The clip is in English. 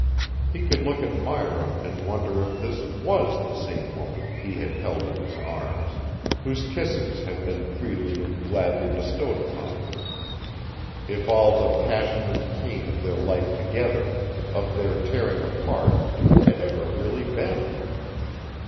He could look at Myra and wonder if this was the same woman he had held in his arms, whose kisses had been freely and gladly bestowed upon him; if all the passion and pain of their life together, of their tearing apart, had ever really been.